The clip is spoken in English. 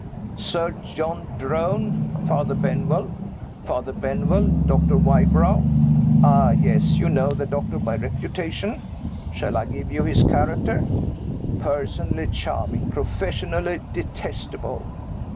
Sir John Drone Father Benwell. Father Benwell Doctor Wybrow. Ah, yes, you know the doctor by reputation? Shall I give you his character? Personally charming; professionally detestable.